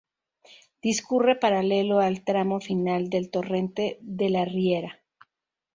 Discurre paralelo al tramo final del torrente de la Riera.